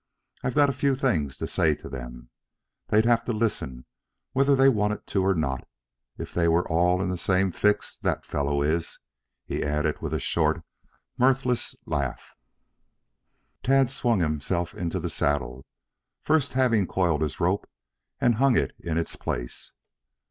I've got a few things to say to them. They'd have to listen whether they wanted to or not if they were all in the same fix that fellow is," he added with a short, mirthless laugh. Tad swung himself into the saddle, first having coiled his rope and hung it in its place.